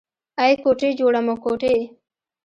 ای کوټې جوړومه کوټې.